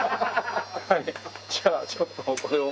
じゃあちょっとこれを。